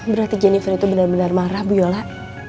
berarti jennifer itu benar benar marah bu yola